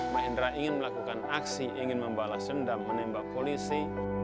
mahendra ingin melakukan aksi ingin membalas dendam menembak polisi